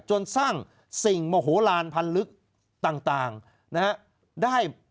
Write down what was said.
จนสร้างสิ่งโมโหลานพันธุ์ลึกต่างได้